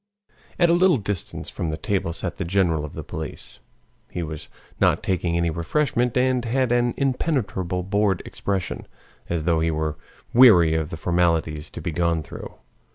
At a little distance from the table sat the general of the police. He was not taking any refreshment, and had an impenetrable bored expression, as though he were weary of the formalities to be gone through.